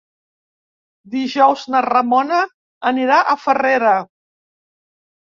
Dijous na Ramona anirà a Farrera.